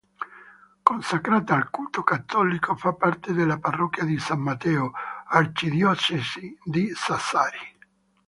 Consacrata al culto cattolico, fa parte della parrocchia di San Matteo, arcidiocesi di Sassari.